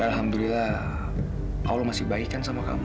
alhamdulillah allah masih baikan sama kamu